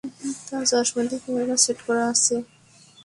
তার চশমাতে camera set করা আছে।